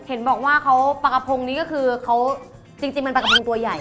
เห็นบอกว่าเขาปกพงศ์นี้ก็คือจริงมันปกพงศ์ตัวใหญ่